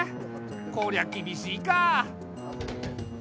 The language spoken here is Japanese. こりゃ厳しいか。